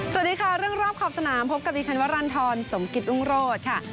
สวัสดีค่ะเรื่องรอบขอบสนามพบกับดิฉันวรรณฑรสมกิตรุงโรธค่ะ